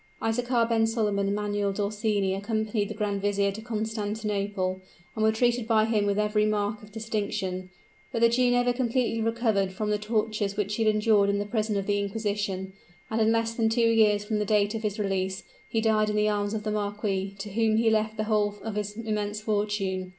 Isaachar ben Solomon and Manuel d'Orsini accompanied the grand vizier to Constantinople, and were treated by him with every mark of distinction. But the Jew never completely recovered from the tortures which he had endured in the prison of the inquisition; and in less than two years from the date of his release, he died in the arms of the marquis, to whom he left the whole of his immense fortune.